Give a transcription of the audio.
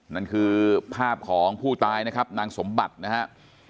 นั่นคือภาพของผู้ตายนะครับนางสมบัตินะครับ